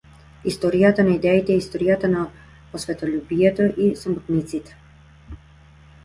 Историјата на идеите е историја на осветољубието на самотниците.